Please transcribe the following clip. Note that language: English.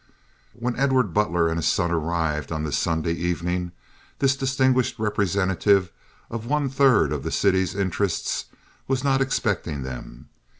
When Edward Butler and his son arrived on this Sunday evening, this distinguished representative of one third of the city's interests was not expecting them.